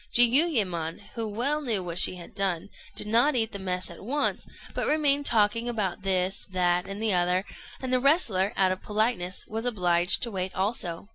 Jiuyémon, who well knew what she had done, did not eat the mess at once, but remained talking about this, that, and the other; and the wrestler, out of politeness, was obliged to wait also.